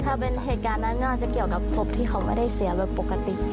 ถ้าเป็นเหตุการณ์นั้นน่าจะเกี่ยวกับศพที่เขาไม่ได้เสียแบบปกติ